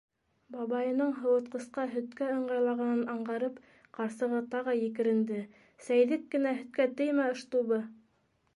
Бабайының һыуытҡысҡа һөткә ыңғайлағанын аңғарып, ҡарсығы тағы екеренде: - Сәйҙек кенә һөткә теймә ыштубы!